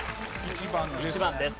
１番です。